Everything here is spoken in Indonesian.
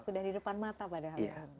sudah di depan mata pada allah